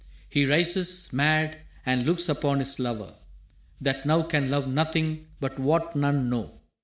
He rises, mad, and looks upon his lover, That now can love nothing but what none know.